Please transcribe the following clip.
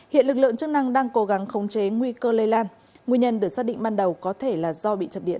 hiện lực lượng chức năng đang cố gắng khống chế nguy cơ lây lan nguyên nhân được xác định ban đầu có thể là do bị chập điện